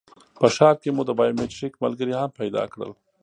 په ښار کې مو د بایومټریک ملګري هم پیدا کړل.